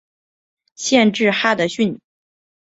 县治哈得逊。